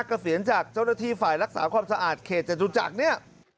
เกษียณจากเจ้าหน้าที่ฝ่ายรักษาความสะอาดเขตจตุจักรเนี่ย